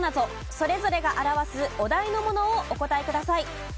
それぞれが表すお題のものをお答えください。